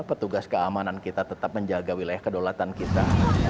petugas keamanan kita tetap menjaga wilayah kedaulatan kita